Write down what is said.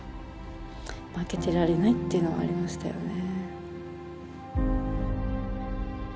負けてられないっていうのがありましたよね。